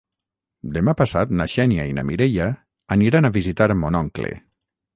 Demà passat na Xènia i na Mireia aniran a visitar mon oncle.